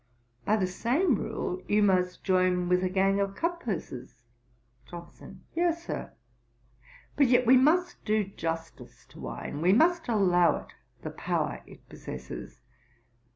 'By the same rule you must join with a gang of cut purses.' JOHNSON. 'Yes, Sir: but yet we must do justice to wine; we must allow it the power it possesses.